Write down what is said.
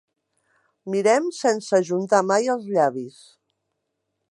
Mirem sense ajuntar mai els llavis.